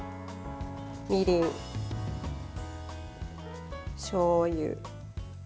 みりん、しょうゆ。